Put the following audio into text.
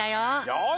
よし！